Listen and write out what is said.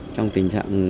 trong tình trạng